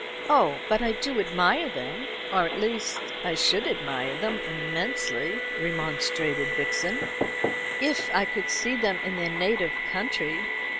"Oh, but I do admire them; or, at least, I should admire them immensely," remonstrated Vixen, "if I could see them in their native country.